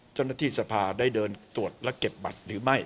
เจ้าหน้าที่สภาได้เดินตรวจและเก็บบัตรหรือไม่